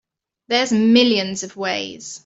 There's millions of ways.